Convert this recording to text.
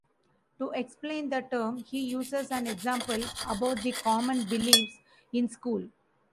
To explain the term, he uses an example about the common beliefs in school.